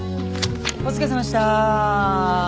お疲れさまでした。